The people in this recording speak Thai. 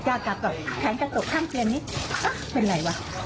แขนจะตกข้างเตียงนี่เป็นอะไรวะ